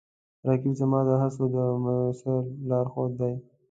رقیب زما د هڅو د مسیر لارښود دی